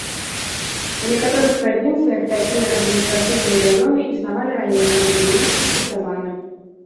У некаторых правінцыях такія адміністрацыйныя раёны існавалі раней, але былі скасаваны.